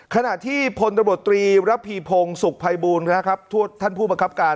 ขณะที่พลตบตรีระภีพงษ์สุขภัยบูรณ์ท่านผู้บังคับการ